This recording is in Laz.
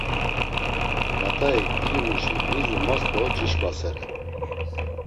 Ǩat̆aik ilimuşi nizumas do cişǩvasere.